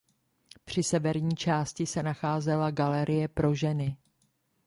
Při severní části se nacházela galerie pro ženy.